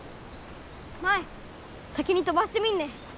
舞先に飛ばしてみんね。